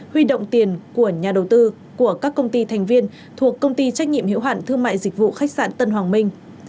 huy động tiền của nhà đầu tư của các công ty thành viên thuộc công ty trách nhiệm hiểu hạn thương mại dịch vụ khách sạn tân hoàng minh